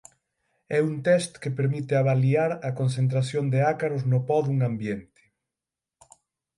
É un test que permite avaliar a concentración de ácaros no po dun ambiente.